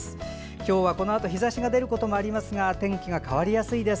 今日はこのあと日ざしが出ることもありますが天気が変わりやすいです。